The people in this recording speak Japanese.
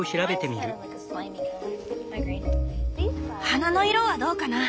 花の色はどうかな？